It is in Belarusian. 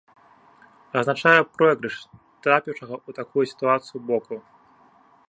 Азначае пройгрыш трапіўшага ў такую сітуацыю боку.